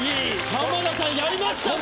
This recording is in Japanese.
浜田さんやりました僕！